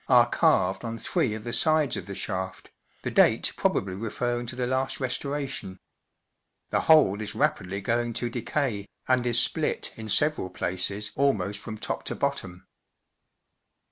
3 l 7 date, i8z6, are carved on three of the sides of the shaft, the date probably referring to the last restoration. The whole is rapidly going to decay, and is split in several places almost from top to bottom.